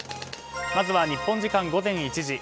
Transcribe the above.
まずは日本時間午前１時。